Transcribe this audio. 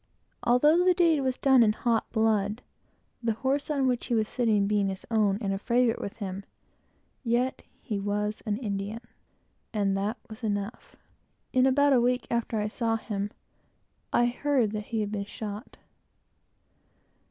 Although the deed was done in hot blood, the horse on which he was sitting being his own, and a great favorite, yet he was an Indian, and that was enough. In about a week after I saw him, I heard that he had been shot.